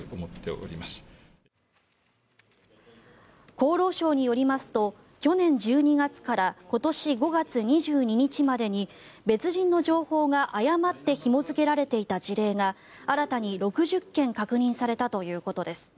厚労省によりますと去年１２月から今年５月２２日までに別人の情報が誤ってひも付けられていた事例が新たに６０件確認されたということです。